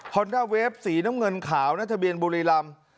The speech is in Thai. อนด้าเวฟสีน้ำเงินขาวนะทะเบียนบุรีรำ